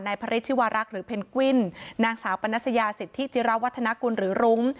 พระฤทธิวารักษ์หรือเพนกวินนางสาวปนัสยาสิทธิจิระวัฒนากุลหรือรุ้ง